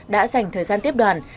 đã dành thời gian tiếp đoàn